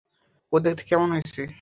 ও দেখতে কেমন হয়েছে?